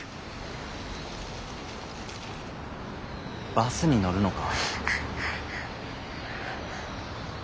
バスに乗るのか。